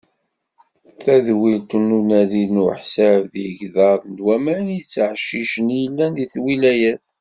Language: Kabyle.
Tadwilt n unadi d uḥsab n yigḍaḍ n waman yettɛeccicen i yellan di twilayt.